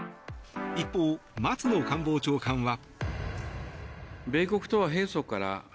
一方、松野官房長官は。